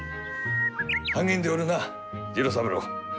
励んでおるな次郎三郎。